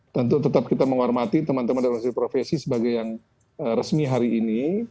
tentu tetap kita menghormati teman teman dari hasil profesi sebagai yang resmi hari ini